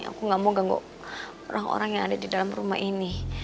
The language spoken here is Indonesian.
aku gak mau ganggu orang orang yang ada di dalam rumah ini